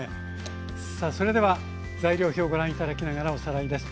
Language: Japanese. さあそれでは材料表をご覧頂きながらおさらいです。